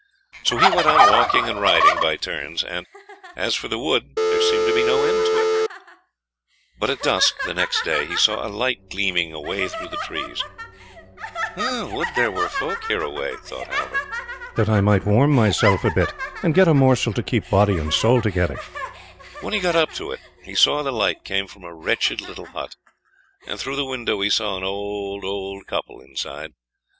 So he went on walking and riding by turns, and as for the wood there seemed to be no end to it. But at dusk the next day he saw a light gleaming away through the trees. "Would there were folk hereaway," thought Halvor, "that I might warm myself a bit and get a morsel to keep body and soul together." When he got up to it he saw the light came from a wretched little hut, and through the window he saw an old old, couple inside.